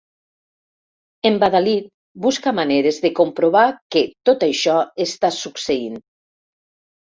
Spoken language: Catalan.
Embadalit, busca maneres de comprovar que tot això està succeint.